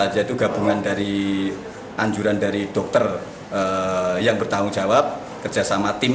yaitu gabungan dari anjuran dari dokter yang bertanggung jawab kerjasama tim